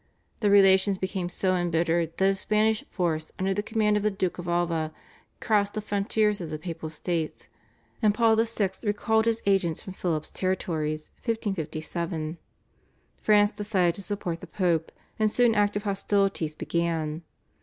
The relations became so embittered that a Spanish force under the command of the Duke of Alva crossed the frontiers of the Papal States, and Paul IV. recalled his agents from Philip's territories (1557). France decided to support the Pope, and soon active hostilities began.